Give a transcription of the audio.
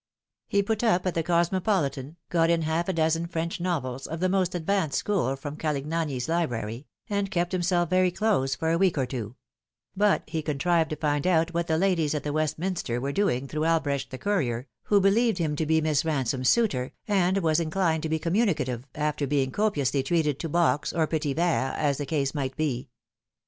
He put up at the Cosmopolitan, got in half a dozen French novels of the most advanced school from Galignani's Library, and kept himself very close for a week or two ; but he contrived to find out what the ladies at the Westminster were doing through Albrecht the courier, who believed him to be Miss Kausome's suitor, and was inclined to be communicative, after being copiously treated to bocks, or petite verres, as the case might be.